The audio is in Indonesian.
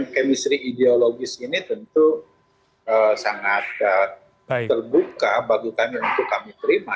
kemistri ideologis ini tentu sangat terbuka bagi kami untuk kami terima